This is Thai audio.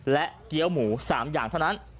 และเกี้ยวหมู๓อย่างเท่านั้น